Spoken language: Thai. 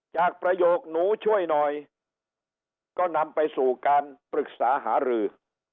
ประโยคหนูช่วยหน่อยก็นำไปสู่การปรึกษาหารือ